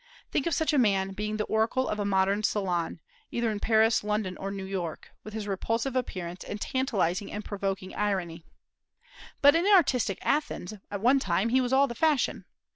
Think of such a man being the oracle of a modern salon, either in Paris, London, or New York, with his repulsive appearance, and tantalizing and provoking irony. But in artistic Athens, at one time, he was all the fashion.